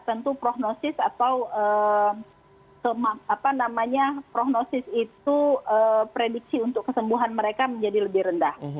tentu prognosis atau prognosis itu prediksi untuk kesembuhan mereka menjadi lebih rendah